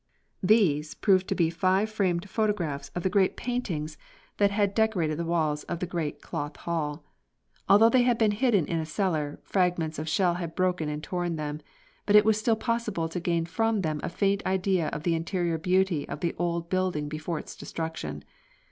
"These" proved to be five framed photographs of the great paintings that had decorated the walls of the great Cloth Hall. Although they had been hidden in a cellar, fragments of shell had broken and torn them. But it was still possible to gain from them a faint idea of the interior beauty of the old building before its destruction.